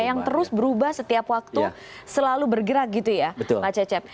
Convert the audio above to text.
yang terus berubah setiap waktu selalu bergerak gitu ya pak cecep